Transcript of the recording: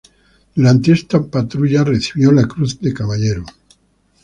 Durante esta patrulla recibió la Cruz de Caballero.